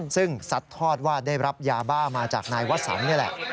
ซึ่งสัดทอดว่าได้รับยาบ้ามาจากนายวสันนี่แหละ